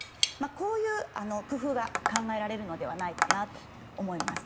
こういう工夫が考えられるのではないかと思います。